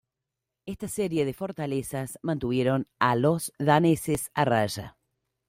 Esta serie de fortalezas, mantuvieron a los daneses a raya.